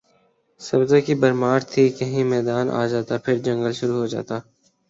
سبزہ کی بھرمار تھی کہیں میدان آ جاتا پھر جنگل شروع ہو جاتا